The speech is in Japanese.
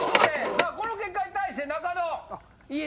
さあこの結果に対して中野！